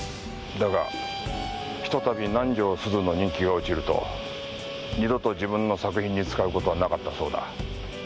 だがひとたび南条すずの人気が落ちると二度と自分の作品に使うことはなかったそうだ。